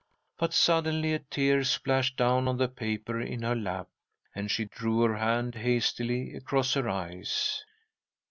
But suddenly a tear splashed down on the paper in her lap, and she drew her hand hastily across her eyes.